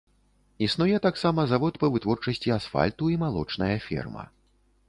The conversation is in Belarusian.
Існуе таксама завод па вытворчасці асфальту і малочная ферма.